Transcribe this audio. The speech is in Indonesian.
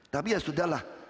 tapi ya sudah lah